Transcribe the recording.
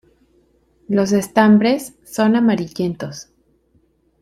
Los estambres son amarillentos.